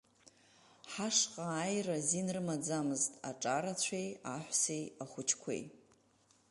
Ҳашҟа ааира азин рымаӡамызт аҿарацәеи, аҳәсеи, ахәыҷқәеи.